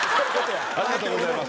ありがとうございます。